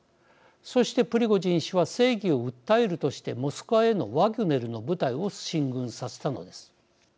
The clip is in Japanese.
そして、プリゴジン氏は正義を訴えるとしてモスクワへのワグネルの部隊を進軍させたのです。